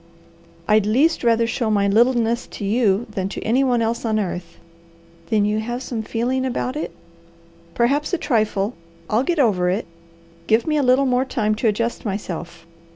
"I'd least rather show my littleness to you than to any one else on earth." "Then you have some feeling about it?" "Perhaps a trifle. I'll get over it. Give me a little time to adjust myself.